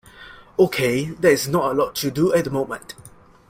Okay, there is not a lot to do at the moment.